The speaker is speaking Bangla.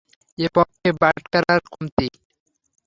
এ পক্ষে বাটখারায় কমতি।